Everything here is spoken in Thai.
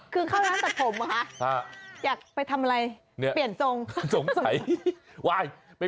คือเข้าร้านตัดผมเหรอคะอยากไปทำอะไร